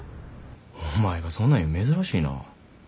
お前がそんなん言うん珍しいなぁ。